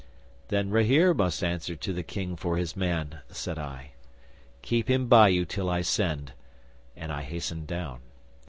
'"Then Rahere must answer to the King for his man," said I. "Keep him by you till I send," and I hastened down.